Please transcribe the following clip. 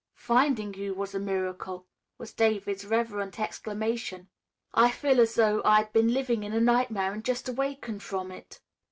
"Finding you was a miracle!" was David's reverent exclamation. "I feel as though I'd been living in a nightmare and just awakened from it."